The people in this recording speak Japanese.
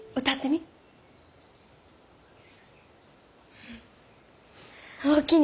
うんおおきに。